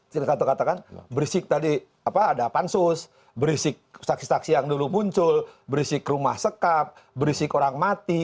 silahkan itu katakan berisik tadi ada pansus berisik saksi saksi yang dulu muncul berisik rumah sekap berisik orang mati